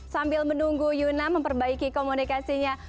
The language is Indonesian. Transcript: sambil menunggu yuna memperbaiki komunikasinya